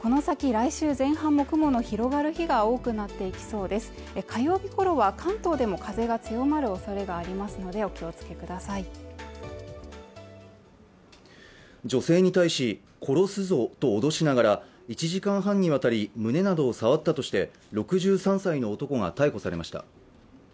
来週前半は雲の広がる日が多くなってきそうですが火曜日ごろは関東でも風が強まる恐れがありますのでお気をつけください女性に対し殺すぞと脅しながら１時間半にわたり胸などを触ったとして６３歳の男が逮捕されました